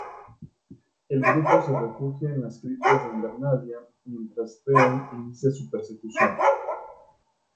El grupo se refugia en las criptas de Invernalia mientras Theon inicia su persecución.